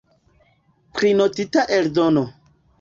Prinotita eldono.